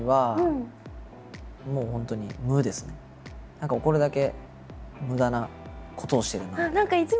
何か怒るだけ無駄なことをしてるなって。